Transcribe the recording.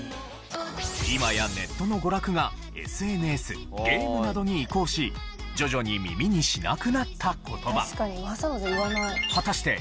今やネットの娯楽がＳＮＳゲームなどに移行し徐々に耳にしなくなった言葉。